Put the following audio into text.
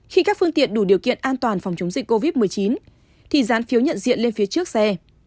khi các phương tiện đủ điều kiện an toàn phòng chống dịch covid một mươi chín thì dán phiếu nhận diện lên phía trước xe